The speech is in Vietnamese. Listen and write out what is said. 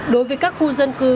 đối với các khu dân cư